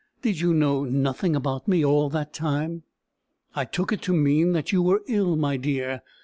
Did you know nothing about me all that time?" "I took it to mean that you were ill, my dear.